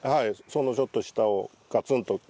そのちょっと下をガツンと切って。